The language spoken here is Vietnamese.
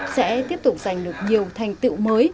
sẽ tiếp tục giành được nhiều thành tựu mới